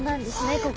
ここ。